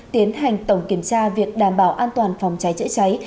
tiến hành tổng kiểm tra việc đảm bảo an toàn phòng cháy chữa cháy